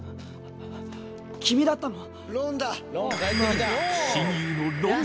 君だったの？